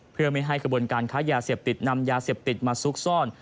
เพื่อไม่ให้กระบวนการค้ายาเสพติดนำยาเสพติดมาซุกซ่อน